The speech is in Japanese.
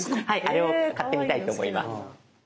あれを買ってみたいと思います。